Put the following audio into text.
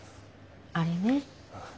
あれね。